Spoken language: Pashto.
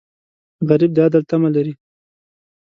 غریب د عدل تمه لري